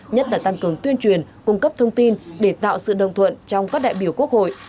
nhất là tăng cường tuyên truyền cung cấp thông tin để tạo sự đồng thuận trong các đại biểu quốc hội